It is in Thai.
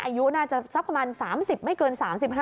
อายุน่าจะสักประมาณ๓๐ไม่เกิน๓๕